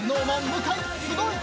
向井すごい！